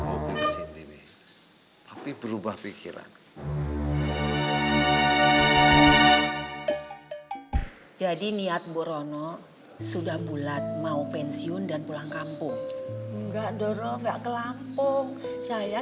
ya di nihatgu rono sudah bulat mau pensiun dan pulang kampung enggak doro gak ke lampung saya